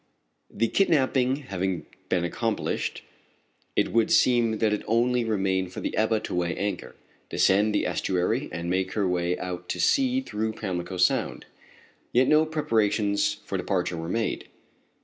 The kidnapping having been accomplished it would seem that it only remained for the Ebba to weigh anchor, descend the estuary and make her way out to sea through Pamlico Sound. Yet no preparations for departure were made.